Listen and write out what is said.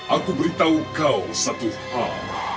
aku beritahu kau satu hal